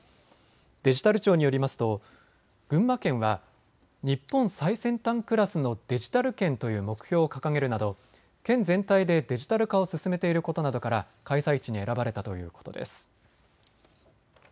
デジタル庁によりますと群馬県は日本最先端クラスのデジタル県という目標を掲げるなど県全体でデジタル化を進めていることなどから開催地に選ばれたということです。